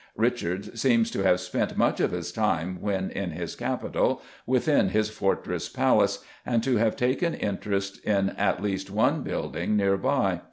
Richard seems to have spent much of his time, when in his capital, within his fortress palace, and to have taken interest in at least one building near by.